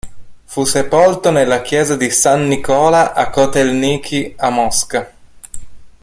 Fu sepolto nella Chiesa di San Nicola a Kotel'niki, a Mosca.